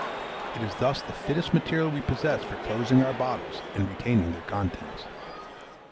It is thus the fittest material we possess for closing our bottles, and retaining their contents.